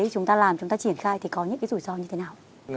chúng ta làm chúng ta triển khai thì có những cái rủi ro như thế nào